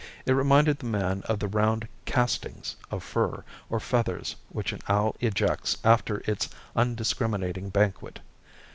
It reminded the man of the round "castings" of fur or feathers which an owl ejects after its undiscriminating banquet.